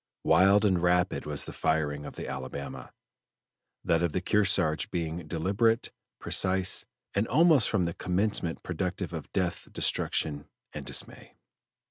Wild and rapid was the firing of the Alabama, that of the Kearsarge being deliberate, precise, and almost from the commencement productive of death, destruction, and dismay.